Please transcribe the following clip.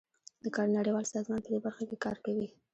د کار نړیوال سازمان پدې برخه کې کار کوي